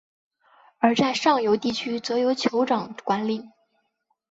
而在上游地区则由酋长管领。